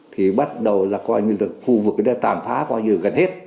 thì bắt đầu là khu vực đã tàn phá gần hết